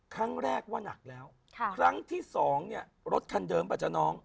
ครั้งแรกว่านักแล้วครั้งที่สองเนี่ยรถคันเดิมป่ะจ๊ะน้อง